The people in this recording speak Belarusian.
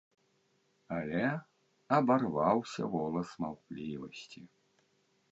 Але абарваўся волас маўклівасці.